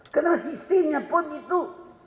karena sistemnya pun itu